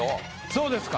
そうですか。